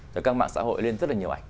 từ các mạng xã hội lên rất là nhiều ảnh